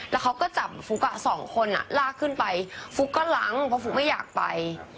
แล้วเขาก็จับฟุ๊กสองคนลากขึ้นไปฟุ๊กก็ล้างเพราะฟุ๊กไม่อยากไป